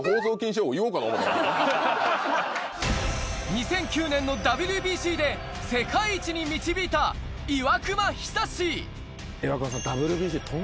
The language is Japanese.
２００９年のＷＢＣで世界一に導いた岩隈さん。